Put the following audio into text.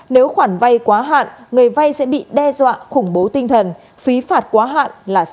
nếu khoản vay quá hạn người vay sẽ bị đe dọa khủng bố tinh thần phí phạt quá hạn là sáu mươi